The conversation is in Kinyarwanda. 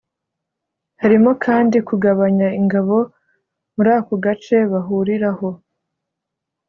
Harimo kandi kugabanya ingabo muri ako gace bahuriraho